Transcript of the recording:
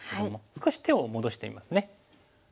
少し手を戻してみますね。